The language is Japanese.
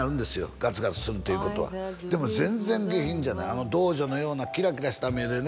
ガツガツするということはでも全然下品じゃないあの童女のようなキラキラした目でね